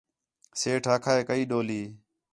سیٹھ آکھا ہِے کہی ڈولی